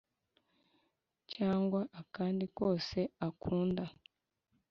cyangwa akandi kose akunda,